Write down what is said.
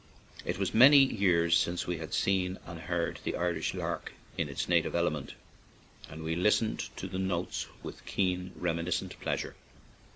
It was many years since we had seen and heard the Irish lark in its native element, and we listened to the notes with keen, reminiscent pleasure.